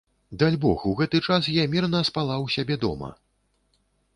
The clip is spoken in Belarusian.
Дальбог, у гэты час я мірна спала ў сябе дома.